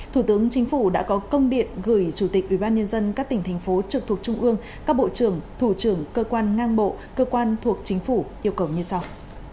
thủ tướng chính phủ đã có công điện gửi chủ tịch ubnd các tỉnh thành phố trực thuộc trung ương các bộ trưởng thủ trưởng cơ quan ngang bộ cơ quan thuộc chính phủ yêu cầu như sau